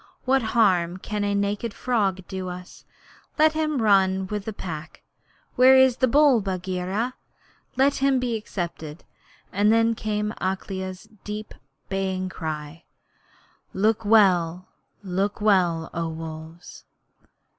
What harm can a naked frog do us? Let him run with the Pack. Where is the bull, Bagheera? Let him be accepted.' And then came Akela's deep bay, crying: Look well look well, O Wolves!'